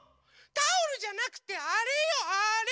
タオルじゃなくてあれよあれ！